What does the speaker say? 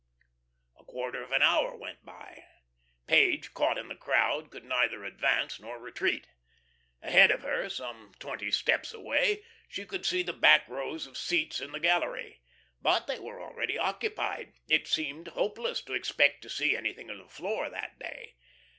A quarter of an hour went by. Page, caught in the crowd, could neither advance nor retreat. Ahead of her, some twenty steps away, she could see the back rows of seats in the gallery. But they were already occupied. It seemed hopeless to expect to see anything of the floor that day.